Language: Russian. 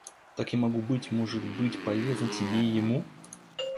Там я могу быть, может быть, полезна тебе и ему.